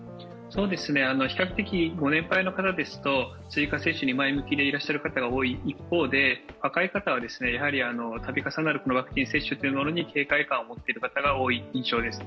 比較的ご年配の方ですと追加接種に前向きでいらっしゃる方が多い一方で若い方は、やはり度重なるワクチン接種に警戒感を持っている方が多い印象です。